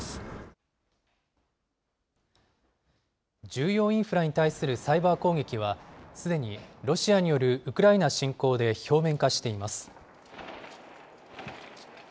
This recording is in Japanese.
重要インフラに対するサイバー攻撃は、すでにロシアによるウクライナ侵攻で表面化しています。